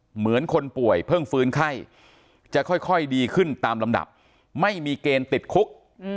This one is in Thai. เหมือนคนป่วยเพิ่งฟื้นไข้จะค่อยดีขึ้นตามลำดับไม่มีเกณฑ์ติดคุก